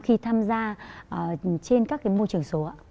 khi tham gia trên các cái môi trường số